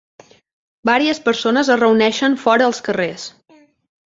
Vàries persones es reuneixen fora als carrers.